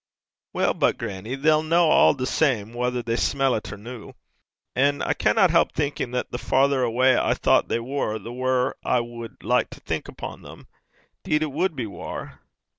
'Weel, but, grannie, they'll ken 't a' the same, whether they smell 't or no. An' I canna help thinkin' that the farrer awa' I thoucht they war, the waur I wad like to think upo' them. 'Deed it wad be waur.'